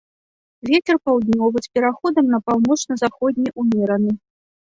Вецер паўднёвы з пераходам на паўночна-заходні ўмераны.